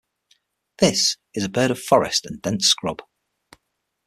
This is a bird of forest and dense scrub.